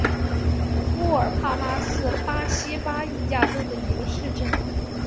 莫尔帕拉是巴西巴伊亚州的一个市镇。